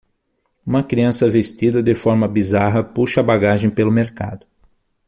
Uma criança vestida de forma bizarra puxa a bagagem pelo mercado